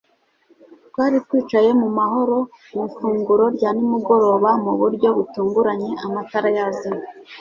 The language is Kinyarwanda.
Twari twicaye mu mahoro mu ifunguro rya nimugoroba mu buryo butunguranye amatara yazimye